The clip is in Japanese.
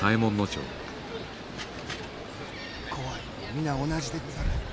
怖いのは皆同じでござる。